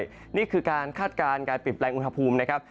ของฝุ่นละอองที่มีโอกาสเกิดขึ้นด้วยนี่คือการคาดการณ์การปิดแปลงอุณหภูมินะครับ